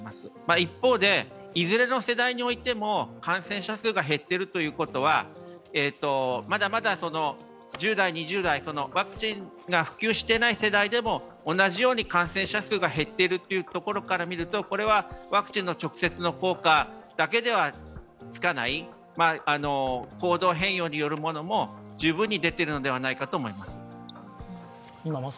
一方で、いずれの世代においても感染者数が減っているということは、まだまだ１０代、２０代、ワクチンが普及していない世代でも同じように感染者数が減っているというところから見るとこれはワクチンの直接の効果だけではつかない、行動変容によるものも十分に出ているのではないかと思います。